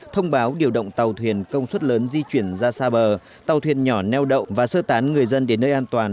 thông báo điều động tàu thuyền công suất lớn di chuyển ra xa bờ tàu thuyền nhỏ neo đậu và sơ tán người dân đến nơi an toàn